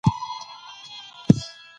په سوله کې ویره نه خپریږي.